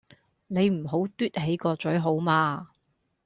你唔好嘟起個嘴好嗎?